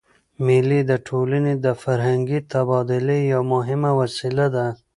مېلې د ټولني د فرهنګي تبادلې یوه مهمه وسیله ده.